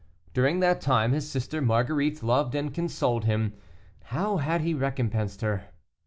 During that time his sister Marguerite loved and consoled him. How had he recompensed her?